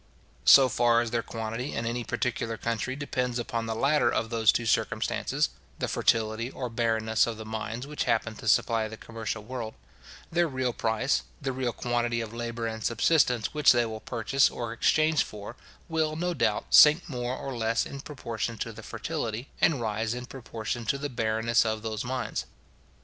So far as their quantity in any particular country depends upon the latter of those two circumstances (the fertility or barrenness of the mines which happen to supply the commercial world), their real price, the real quantity of labour and subsistence which they will purchase or exchange for, will, no doubt, sink more or less in proportion to the fertility, and rise in proportion to the barrenness of those mines.